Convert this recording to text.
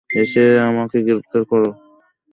এসে আমাকে গ্রেফতার কর।